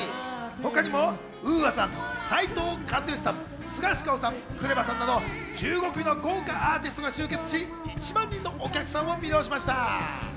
他にもＵＡさん、斉藤和義さん、スガシカオさん、ＫＲＥＶＡさんなど、１５組の豪華アーティストが集結し、１万人のお客さんを魅了しました。